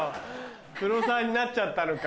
黒沢になっちゃったのか。